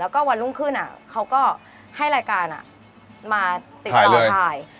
แล้วก็วันรุ่งขึ้นเขาก็ให้รายการมาติดต่อถ่าย